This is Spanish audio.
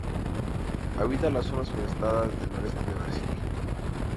Habita las zonas forestadas del noreste de Brasil.